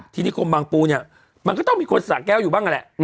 นิคมบางปูเนี่ยมันก็ต้องมีคนสะแก้วอยู่บ้างนั่นแหละ